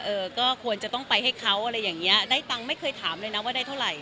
เออก็ควรจะต้องไปให้เขาอะไรอย่างเงี้ยได้ตังค์ไม่เคยถามเลยนะว่าได้เท่าไหร